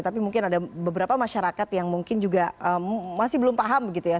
tapi mungkin ada beberapa masyarakat yang mungkin juga masih belum paham begitu ya